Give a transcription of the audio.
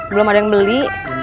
belum ada yang beli